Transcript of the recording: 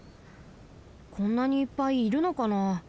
こんなにいっぱいいるのかな？